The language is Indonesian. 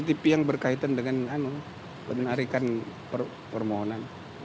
nggak cctv yang berkaitan dengan penarikan permohonan